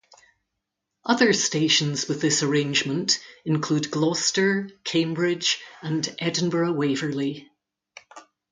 Other stations with this arrangement include Gloucester, Cambridge and Edinburgh Waverley.